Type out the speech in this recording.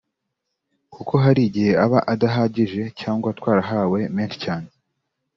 kuko hari igihe aba adahagije cyangwa twarahawe menshi cyane